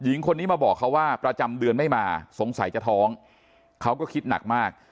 หญิงคนนี้มาบอกเขาว่าประจำเดือนไม่มาสงสัยจะท้องเขาก็คิดหนักมาก